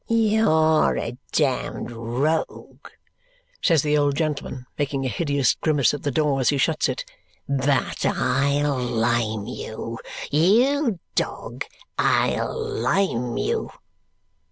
"You're a damned rogue," says the old gentleman, making a hideous grimace at the door as he shuts it. "But I'll lime you, you dog, I'll lime you!"